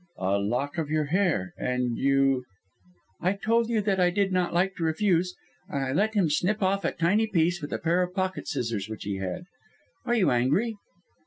"A lock of your hair! And you " "I told you that I did not like to refuse and I let him snip off a tiny piece, with a pair of pocket scissors which he had. Are you angry?"